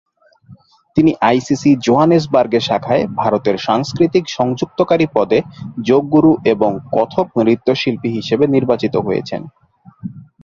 তিনি আইসিসি জোহানেসবার্গে শাখায় ভারতের সাংস্কৃতিক সংযুক্তকারী পদে "যোগ গুরু" এবং কত্থক নৃত্যশিল্পী হিসাবে নির্বাচিত হয়েছেন।